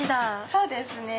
そうですね。